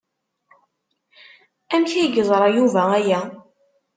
Amek ay yeẓra Yuba aya?